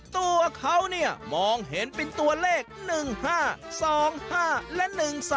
ตัวเขาเนี่ยมองเห็นเป็นตัวเลข๑๕๒๕และ๑๓